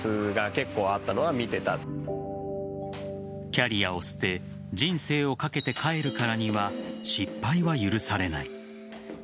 キャリアを捨て人生を懸けて帰るからには失敗は許されない。